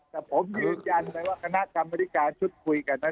แต่ผมยืนยันว่าคณะกรรมวิทยาลัยชุดคุยกันนะ